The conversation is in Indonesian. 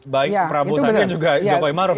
baik prabowo sandi juga jokowi maruf